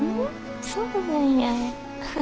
そうなんや。